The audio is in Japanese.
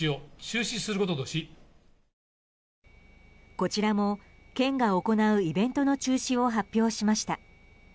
こちらも県が行うイベントの中止を発表しました。